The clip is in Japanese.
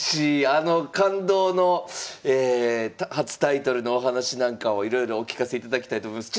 あの感動の初タイトルのお話なんかをいろいろお聞かせいただきたいと思います。